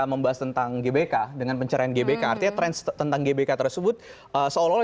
membahas tentang gbk dengan pencerahan gbk artinya tren tentang gbk tersebut seolah olah